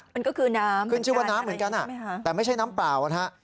มันก็คือน้ำมันก็คือน้ำเหมือนกันอ่ะแต่ไม่ใช่น้ำเปล่านะฮะ